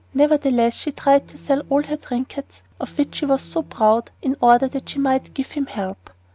Nevertheless, she tried to sell all her trinkets, of which she was so proud, in order that she might give him help.